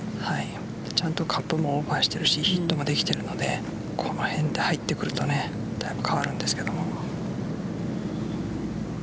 ちゃんとカップもオーバーしてるしヒットもできてるのでこの辺で入ってくるとだいぶ変わるんですけども。